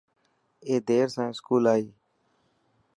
اي دير سان اسڪول آئي.